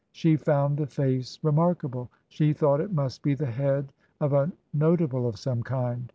She found the face remarkable. She thought it must be the head of a notable of some kind.